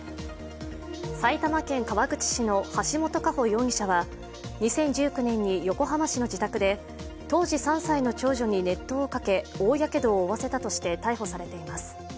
埼玉県川口市の橋本佳歩容疑者は２０１９年に横浜市の自宅で当時３歳の長女に熱湯をかけ大やけどを負わせたとして逮捕されています。